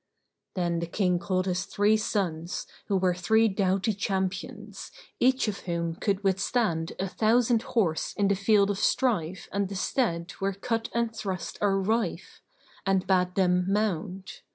Then the King called his three sons, who were three doughty champions, each of whom could withstand a thousand horse in the field of strife and the stead where cut and thrust are rife; and bade them mount.